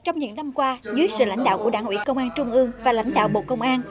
năm qua dưới sự lãnh đạo của đảng ủy công an trung ương và lãnh đạo bộ công an